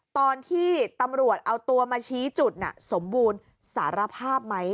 ตอนที่ตำรวจเอาตัวมาชี้จุดน่ะสมบูรณ์สารภาพไหม